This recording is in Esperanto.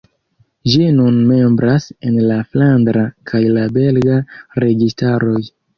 Ĝi nun membras en la flandra kaj la belga registaroj.